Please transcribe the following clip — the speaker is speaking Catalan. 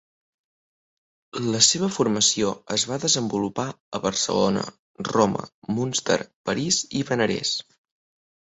La seva formació es va desenvolupar a Barcelona, Roma, Münster, París i Benarés.